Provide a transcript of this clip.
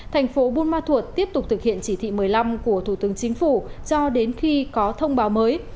thành phố bumathur tiếp tục thực hiện chỉ thị một mươi năm của thủ tướng chính phủ cho đến khi có thông báo mới